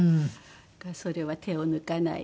それは手を抜かないで。